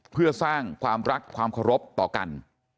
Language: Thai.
เพื่อสร้างความรักความเคารพต่อกัน